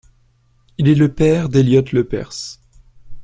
Il est le père d'Elliot Lepers.